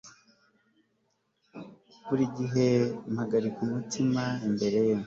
buri gihe mpagarika umutima imbere ye